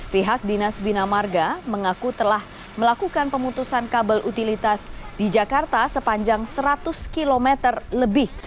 pihak dinas bina marga mengaku telah melakukan pemutusan kabel utilitas di jakarta sepanjang seratus km lebih